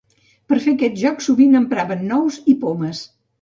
Per fer aquests jocs sovint empraven nous i pomes.